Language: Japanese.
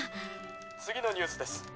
次のニュースです。